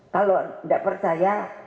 kalau tidak percaya